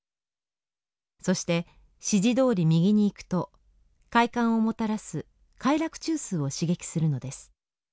そして指示どおり右に行くと快感をもたらす快楽中枢を刺激するのです。